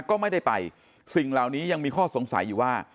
ก็ไม่ได้ไปสิ่งเหล่านี้ยังมีข้อสงสัยอยู่ว่า